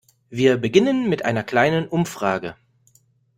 Wir beginnen mit einer kleinen Umfrage.